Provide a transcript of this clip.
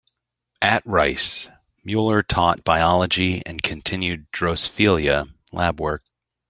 At Rice, Muller taught biology and continued "Drosophila" lab work.